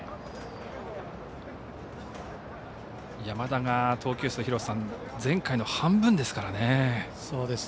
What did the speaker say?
山田が投球数前回の半分ですからね。